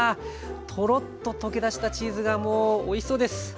トロッと溶け出したチーズがもうおいしそうです。